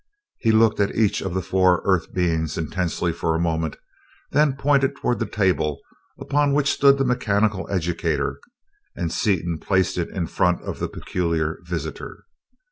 He looked at each of the four Earth beings intensely for a moment, then pointed toward the table upon which stood the mechanical educator, and Seaton placed it in front of the peculiar visitor.